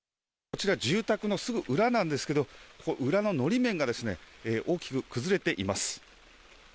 こちら、住宅のすぐ裏なんですけど、裏ののり面が大きく崩れています。